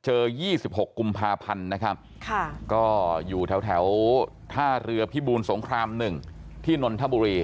๒๖กุมภาพันธ์นะครับก็อยู่แถวท่าเรือพิบูลสงคราม๑ที่นนทบุรี